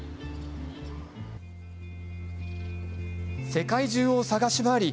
世界中を探し回り